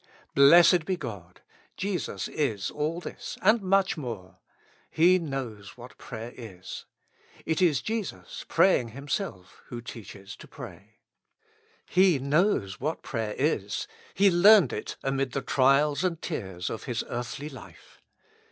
Blessed be God ! Jesus is all this, and much more. He knows what prayer is. It is Jesus, pray ing Himself, who teaches to pray. He knows what prayer is. He learned it amid the trials and tears of His earthly life.